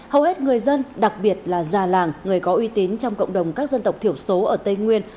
hầu hết người dân đặc biệt là già làng người có uy tín trong cộng đồng các dân tộc thiểu số ở tây nguyên